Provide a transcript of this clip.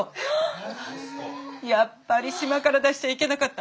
やっぱり島から出しちゃいけなかった。